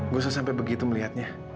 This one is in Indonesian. gue selesai sampai begitu melihatnya